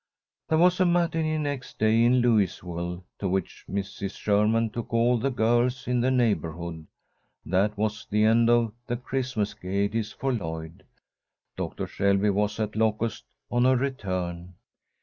There was a matinée next day in Louisville, to which Mrs. Sherman took all the girls in the neighbourhood. That was the end of the Christmas gaieties for Lloyd. Doctor Shelby was at Locust on her return.